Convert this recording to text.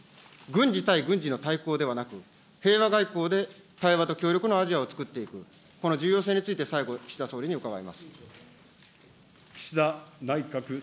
軍事対軍事の対抗ではなく、平和外交で、対話と協力のアジアをつくっていく、この重要性について、最後、岸田総理に伺います。